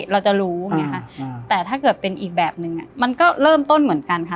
เราจะรู้อย่างนี้ค่ะแต่ถ้าเกิดเป็นอีกแบบนึงมันก็เริ่มต้นเหมือนกันค่ะ